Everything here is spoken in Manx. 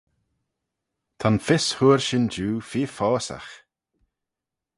Ta'n fys hooar shin jiu feer foaysagh.